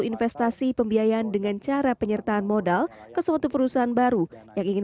investasi pembiayaan dengan cara penyertaan modal ke suatu perusahaan baru yang ingin